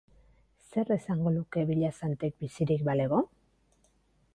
Zer esango luke Villasantek bizirik balego?